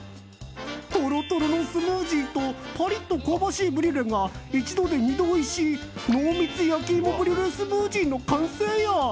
トロトロのスムージーとパリッと香ばしいブリュレが一度で二度おいしい濃密やきいもブリュレスムージーの完成や！